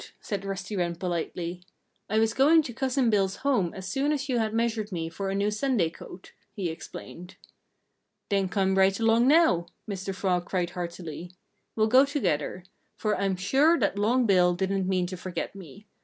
said Rusty Wren politely. "I was going to Cousin Bill's home as soon as you had measured me for a new Sunday coat," he explained. "Then come right along now!" Mr. Frog cried heartily. "We'll go together. For I'm sure that Long Bill didn't mean to forget me.